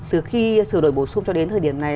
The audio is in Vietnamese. từ khi sửa đổi bổ sung cho đến thời điểm này